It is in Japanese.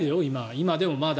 今でもまだ。